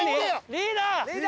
リーダー！